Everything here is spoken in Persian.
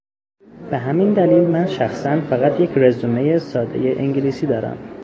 به همین دلیل من شخصا فقط یک رزومه ساده انگلیسی دارم.